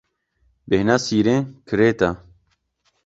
Bêhna sîrên kirêt e.